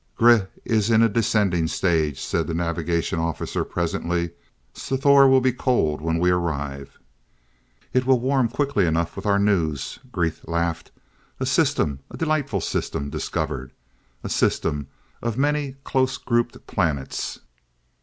"Grih is in a descendant stage," said the navigation officer presently. "Sthor will be cold when we arrive." "It will warm quickly enough with our news!" Gresth laughed. "A system a delightful system discovered. A system of many close grouped planets.